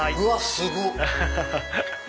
すごっ！